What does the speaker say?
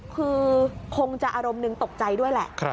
คือคงจะอารมณ์หนึ่งตกใจด้วยแหละ